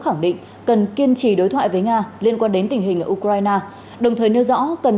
khẳng định cần kiên trì đối thoại với nga liên quan đến tình hình ở ukraine đồng thời nêu rõ cần